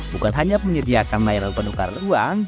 bukan hanya menyediakan layar penukar uang